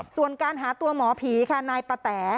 ส่วนการหาตัวหมอผีค่ะนายปะแต๋